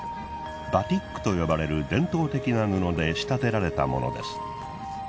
バティックと呼ばれる伝統的な布で仕立てられたものです。